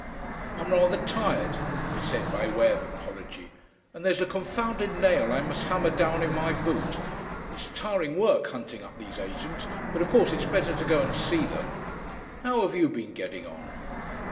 "I'm rather tired," he said by way of apology. "And there's a confounded nail I must hammer down in my boot. It's tiring work hunting up these agents, but of course it's better to go and see them. How have you been getting on?"